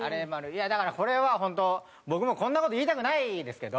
いやだからこれはホント僕もこんな事言いたくないですけど。